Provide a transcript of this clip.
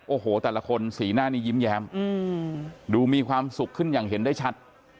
โอ้โหแต่ละคนสีหน้านี้ยิ้มแย้มดูมีความสุขขึ้นอย่างเห็นได้ชัด